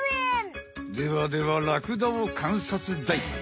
ではではラクダをかんさつだい。